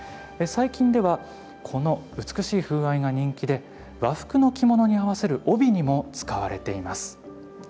最近ではこの美しい風合いが人気で和服の着物に合わせる帯にも使われています。